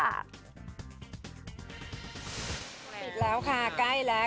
ติดแล้วค่ะใกล้แล้ว